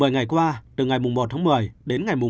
một mươi ngày qua từ ngày một một mươi đến ngày một mươi một mươi